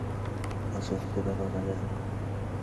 از عهده برآمدن